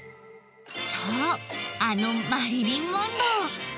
そう、あのマリリン・モンロー。